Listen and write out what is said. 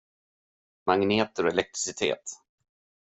Magneter och elektricitet?